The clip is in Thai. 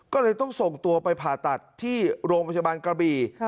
ก็เลยต้องส่งตัวไปผ่าตัดที่โรงพยาบาลกระบี่